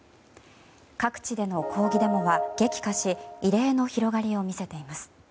各地での抗議デモは激化し異例の広がりを見せています。